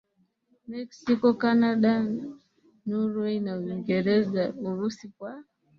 Mexiko Kanada Norwei na UingerezaUrusi kwa